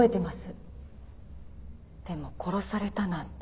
でも殺されたなんて。